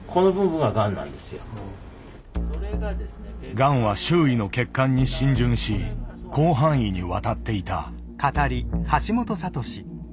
がんは周囲の血管に浸潤し広範囲に渡っていた。